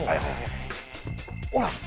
ほら！